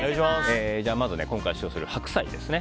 まず、今回使用する白菜ですね。